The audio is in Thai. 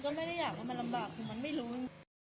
มันได้เสร็จเรื่องทศีลลูก